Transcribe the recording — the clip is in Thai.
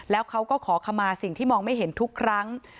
แล้วเขาก็ขอขมาสิ่งที่มองไม่เห็นทุกครั้ง